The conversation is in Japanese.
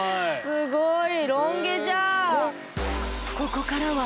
すっごい！